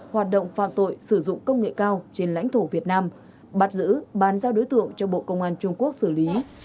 hoạt động phạm tội sử dụng công nghệ cao trên lãnh thổ việt nam bắt giữ bàn giao đối tượng cho bộ công an trung quốc xử lý